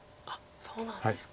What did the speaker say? そうなんですか。